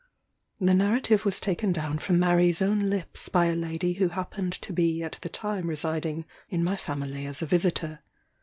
The narrative was taken down from Mary's own lips by a lady who happened to be at the time residing in my family as a visitor.